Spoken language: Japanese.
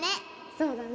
そうだね